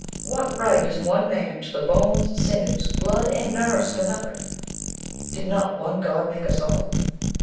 What right has one man to the bones, sinews, blood, and nerves of another? Did not one God make us all?